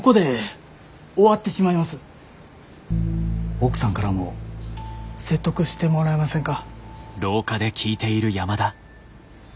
奥さんからも説得してもらえませんか？